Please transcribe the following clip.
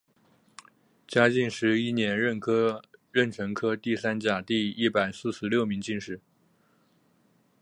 嘉靖十一年壬辰科第三甲第一百四十六名进士。